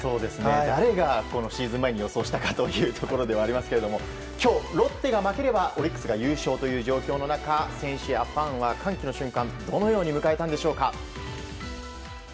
誰がこのシーズン前に予想したかというところではありますが今日、ロッテが負ければオリックスが優勝という状況の中選手やファンは歓喜の瞬間をどのように迎えたのでしょうか。